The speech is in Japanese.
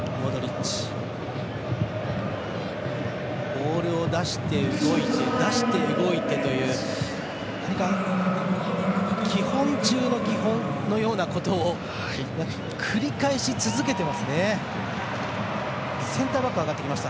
ボールを出して動いて出して動いてという基本中の基本のようなことを繰り返し続けていますね。